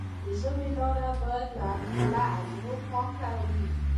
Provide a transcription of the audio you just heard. د ژبې لاره باید له اغزو پاکه وي.